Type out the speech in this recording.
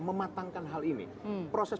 mematangkan hal ini proses